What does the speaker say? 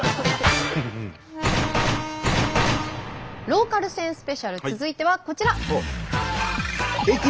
ローカル線スペシャル続いてはこちら！